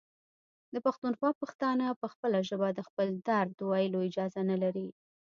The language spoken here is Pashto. د پښتونخوا پښتانه په خپله ژبه د خپل درد ویلو اجازه نلري.